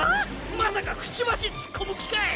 まさかクチバシつっこむ気かい？